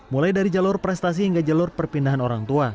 mulai dari jalur prestasi hingga jalur perpindahan